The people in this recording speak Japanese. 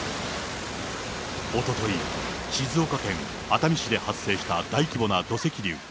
おととい、静岡県熱海市で発生した大規模な土石流。